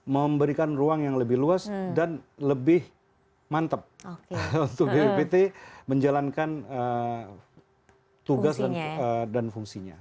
memberikan ruang yang lebih luas dan lebih mantep untuk bppt menjalankan tugas dan fungsinya